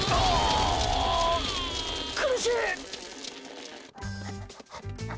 苦しい。